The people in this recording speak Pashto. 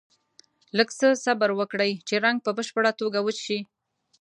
لږ څه صبر وکړئ چې رنګ په بشپړه توګه وچ شي.